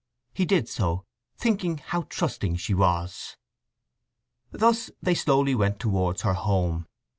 He did so, thinking how trusting she was. Thus they slowly went towards her home.